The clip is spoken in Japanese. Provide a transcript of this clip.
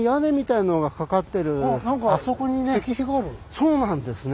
そうなんですね。